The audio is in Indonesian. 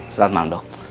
selamat malam dok